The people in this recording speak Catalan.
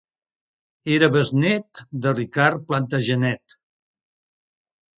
Era besnét de Ricard Plantagenet.